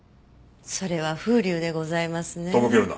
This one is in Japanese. それは風流でございますね。とぼけるな。